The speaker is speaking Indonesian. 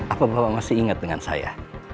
apa bapak masih ingat dengan saya